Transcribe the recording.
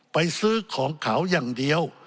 ซื้อของเขาอย่างเดียว